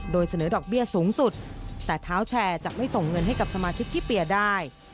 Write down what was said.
โดยเสนอดอกเบี้ยสูงสุดแต่เท้าแชร์จะไม่ส่งเงินให้กับสมาชิกพี่เปียร์ได้